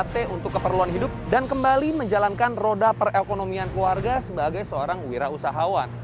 empat t untuk keperluan hidup dan kembali menjalankan roda perekonomian keluarga sebagai seorang wira usahawan